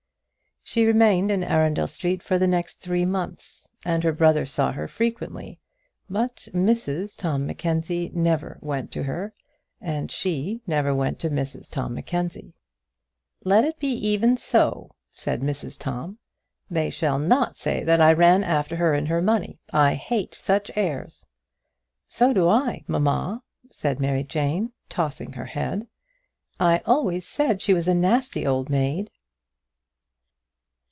She remained in Arundel Street for the next three months, and her brother saw her frequently; but Mrs Tom Mackenzie never went to her, and she never went to Mrs Tom Mackenzie. "Let it be even so," said Mrs Tom; "they shall not say that I ran after her and her money. I hate such airs." "So do I, mamma," said Mary Jane, tossing her head. "I always said that she was a nasty old maid."